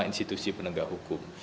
institusi penegak hukum